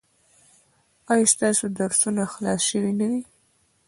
ایا ستاسو درسونه خلاص شوي نه دي؟